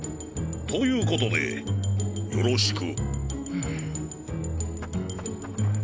ということでよろしく。